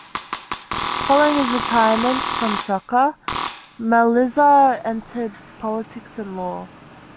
Following his retirement from soccer, Maliza entered politics and law.